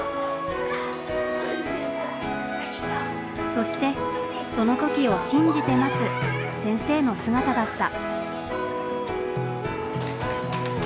そしてその時を信じて待つ先生の姿だった。